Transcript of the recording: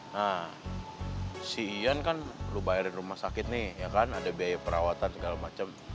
nah si ian kan lu bayarin rumah sakit nih ya kan ada biaya perawatan segala macam